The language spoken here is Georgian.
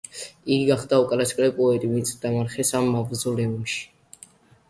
იგი გახდა უკანასკნელი პოეტი, ვინც დამარხეს ამ მავზოლეუმში.